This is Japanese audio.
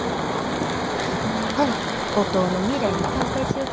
ほな五島の未来に乾杯しよか。